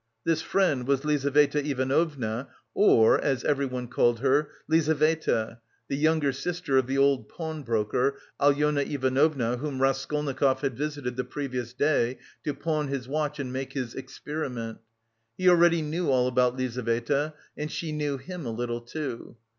This friend was Lizaveta Ivanovna, or, as everyone called her, Lizaveta, the younger sister of the old pawnbroker, Alyona Ivanovna, whom Raskolnikov had visited the previous day to pawn his watch and make his experiment.... He already knew all about Lizaveta and she knew him a little too.